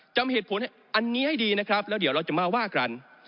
จำเหตุผลอันนี้ให้ดีนะครับแล้วเดี๋ยวเราจะมาว่ากัน